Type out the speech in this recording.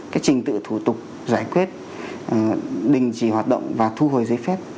cái trình tự thủ tục giải quyết đình chỉ hoạt động và thu hồi giấy phép